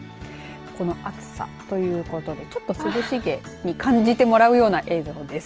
この暑さということでちょっと涼しげに感じてもらうような映像です。